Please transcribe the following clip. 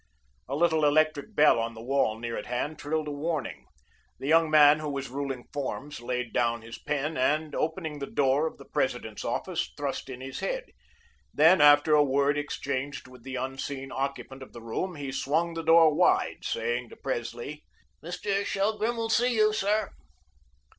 A little electric bell on the wall near at hand trilled a warning. The young man who was ruling forms laid down his pen, and opening the door of the President's office, thrust in his head, then after a word exchanged with the unseen occupant of the room, he swung the door wide, saying to Presley: "Mr. Shelgrim will see you, sir."